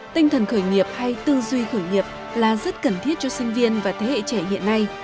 tinh thần khởi nghiệp hay tư duy khởi nghiệp là rất cần thiết cho sinh viên và thế hệ trẻ hiện nay